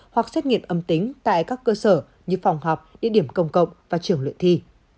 hoặc xét nghiệm âm tính tại các cơ sở như phòng họp địa điểm công cộng và trường luyện thi